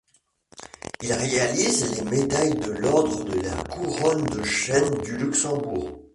Il réalise les médailles de l'ordre de la Couronne de chêne du Luxembourg.